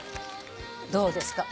どうですか。